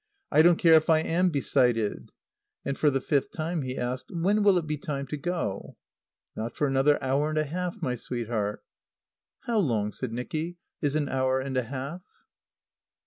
"I don't care if I am becited!" And for the fifth time he asked, "When will it be time to go?" "Not for another hour and a half, my sweetheart." "How long," said Nicky, "is an hour and a half?"